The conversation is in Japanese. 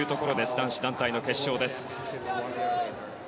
男子団体の決勝です。